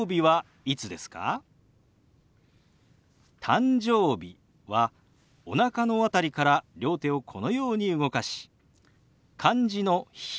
「誕生日」はおなかのあたりから両手をこのように動かし漢字の「日」。